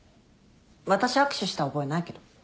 私握手した覚えないけど。